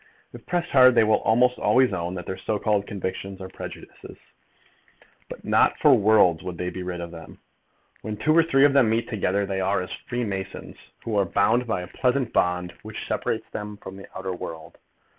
If pressed hard they will almost own that their so called convictions are prejudices. But not for worlds would they be rid of them. When two or three of them meet together, they are as freemasons, who are bound by a pleasant bond which separates them from the outer world.